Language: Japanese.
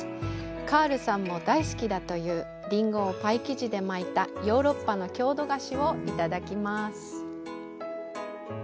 カールさんも大好きだというリンゴをパイ生地で巻いたヨーロッパの郷土菓子をいただきます。